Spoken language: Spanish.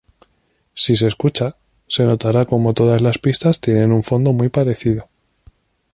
Si se escucha, se notará como todas las pistas tienen un fondo muy parecido.